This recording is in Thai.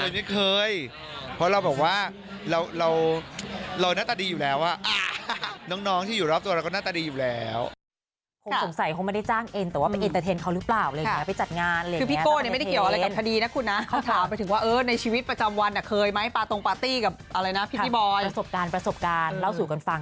ไม่เคยไม่เคยเพราะเราบอกว่าเราน่าตาดีอยู่แล้วน้องที่อยู่รอบตัวเราก็น่าตาดีอยู่แล้ว